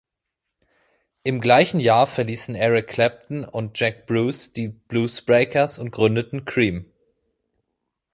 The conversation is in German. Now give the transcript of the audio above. Im gleichen Jahr verließen Eric Clapton und Jack Bruce die Bluesbreakers und gründeten Cream.